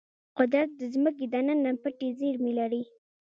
قدرت د ځمکې دننه پټې زیرمې لري.